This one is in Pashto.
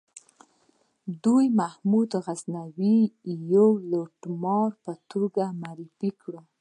دوی محمود غزنوي د یوه لوټمار په توګه معرفي کړ.